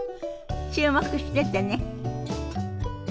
注目しててね。